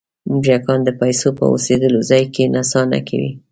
موږکان د پیسو په اوسېدلو ځای کې نڅا نه کوي.